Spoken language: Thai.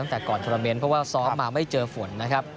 ตั้งแต่ก่อนโทรเมนต์เพราะว่าซ้อมมาไม่เจอฝนนะครับ